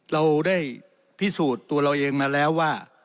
เราได้พิสูจน์ตัวเราเองมาแล้วว่า